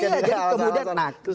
iya jadi kemudian nah